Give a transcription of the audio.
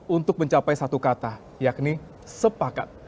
untuk mencapai satu kata yakni sepakat